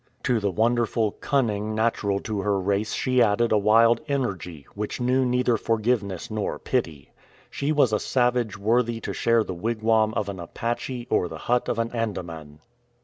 To the wonderful cunning natural to her race she added a wild energy, which knew neither forgiveness nor pity. She was a savage worthy to share the wigwam of an Apache or the hut of an Andaman.